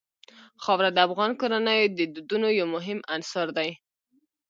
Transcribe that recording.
خاوره د افغان کورنیو د دودونو یو مهم عنصر دی.